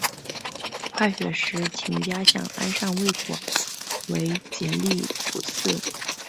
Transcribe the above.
快雪时晴佳想安善未果为结力不次。